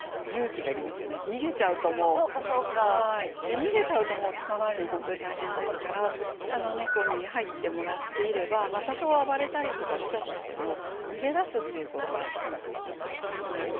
逃げちゃうと捕まえるの本当に大変ですから猫に入ってもらっていれば多少暴れたりとかしたとしても逃げ出すっていうことは少なくともなくなりますので。